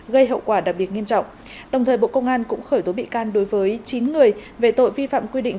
gây hậu quả đặc biệt nghiêm trọng đồng thời bộ công an cũng khởi tố bị can đối với chín người về tội vi phạm quy định